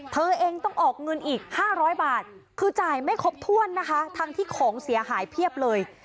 เธอเองต้องออกเงินอีก๕๐๐บาทคือจ่ายไม่ครบถ้วนนะคะทั้งที่ของเสียหายเพียบเลย